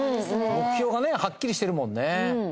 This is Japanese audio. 目標がねはっきりしてるもんね。